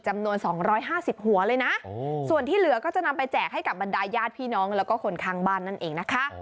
จำนวน๒๕๐หัวเลยนะส่วนที่เหลือก็จะนำไปแจกให้กับบรรดายญาติพี่น้องแล้วก็คนข้างบ้านนั่นเองนะคะ